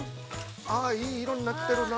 ◆いい色になってるな。